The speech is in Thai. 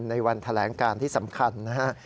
ในวันแถลงการที่สำคัญนะฮะ